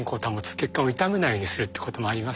血管を傷めないようにするってこともあります